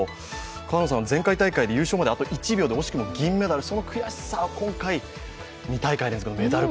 川野さん、優勝まであと１秒で惜しくも銀メダル、その悔しさで今回、２大会連続です。